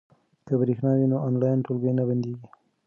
که برېښنا وي نو آنلاین ټولګی نه بندیږي.